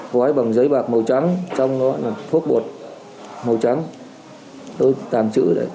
gói bằng giấy bạc màu trắng